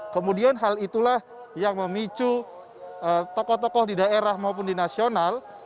kemudian hal itulah yang memicu tokoh tokoh di daerah maupun di nasional